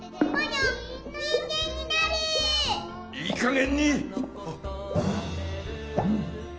いいかげんにあっ！